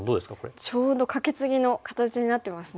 ちょうどカケツギの形になってますね。